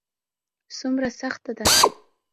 څومره سخته ده ؟